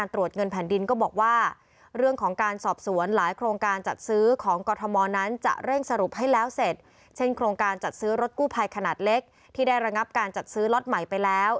ที่ได้ระงับการจัดซื้อล็อตใหม่ไปแล้ว